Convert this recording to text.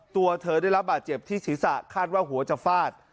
ตัวเธอได้รับบาดเจ็บที่ศีรษะคาดว่าหัวจะฟาด